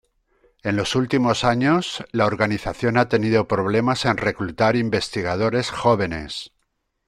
En los últimos años, la organización ha tenido problemas en reclutar investigadores jóvenes.